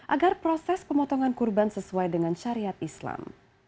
agar proses pemotongan kurban sesuai dengan syariat islam